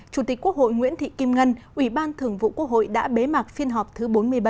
chủ tịch quốc hội nguyễn thị kim ngân ủy ban thường vụ quốc hội đã bế mạc phiên họp thứ bốn mươi bảy